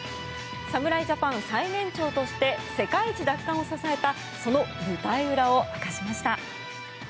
侍ジャパン最年長として世界一奪還を支えたその舞台裏を明かしました。